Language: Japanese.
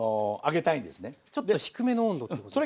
ちょっと低めの温度ということですか？